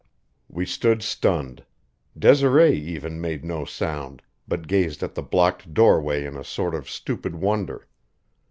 We stood stunned; Desiree even made no sound, but gazed at the blocked doorway in a sort of stupid wonder.